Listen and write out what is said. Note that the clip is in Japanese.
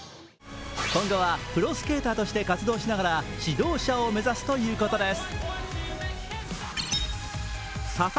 今後はプロスケーターとして活動しながら指導者を目指すということです。